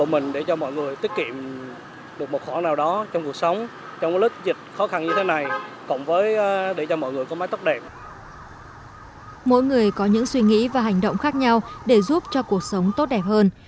mỗi người có những suy nghĩ và hành động khác nhau để giúp cho cuộc sống tốt đẹp hơn